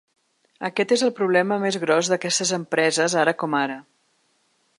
Aquest és el problema més gros d’aquestes empreses, ara com ara.